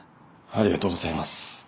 ありがとうございます。